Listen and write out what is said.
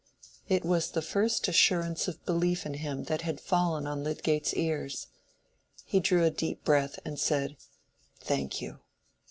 It was the first assurance of belief in him that had fallen on Lydgate's ears. He drew a deep breath, and said, "Thank you."